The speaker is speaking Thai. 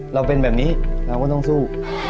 เราเป็นแบบนี้เราก็ต้องสู้